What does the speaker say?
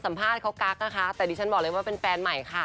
สัมภาษณ์เขากักนะคะแต่ดิฉันบอกเลยว่าเป็นแฟนใหม่ค่ะ